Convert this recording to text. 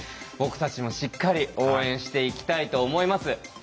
僕たちもしっかり応援していきたいと思います。